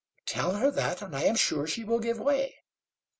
"Tell her that, and I am sure she will give way."